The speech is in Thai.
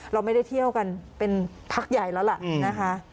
เราไม่ได้เที่ยวกันเป็นพักใหญ่แล้วล่ะนะคะ